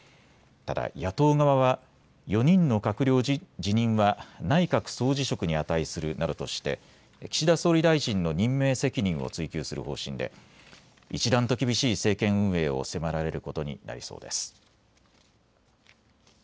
ただ野党側は４人の閣僚辞任は内閣総辞職に値するなどとして岸田総理大臣の任命責任を追及する方針で一段と厳しい政権運営を迫られることになりそうです。